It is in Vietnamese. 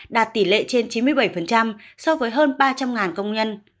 đạt tỷ lệ trên chín mươi bảy so với hơn ba trăm linh công nhân